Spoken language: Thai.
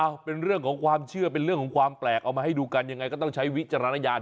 เอาเป็นเรื่องของความเชื่อเป็นเรื่องของความแปลกเอามาให้ดูกันยังไงก็ต้องใช้วิจารณญาณ